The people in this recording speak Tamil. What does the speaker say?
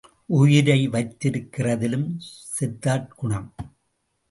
உயிரை வைத்திருக்கிறதிலும் செத்தாற் குணம்.